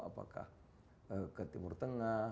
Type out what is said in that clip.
apakah ke timur tengah